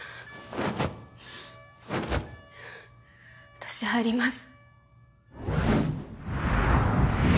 私入ります。